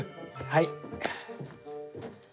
はい。